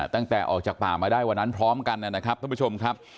ตั้งแต่ออกจากป่ามาได้วันนั้นพร้อมกันนะครับท่านผู้ชมครับ